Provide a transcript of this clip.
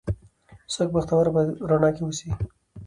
څوک بختوره به په رڼا کې اوسي